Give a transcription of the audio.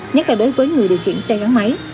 nhất là đối với người điều khiển xe gắn máy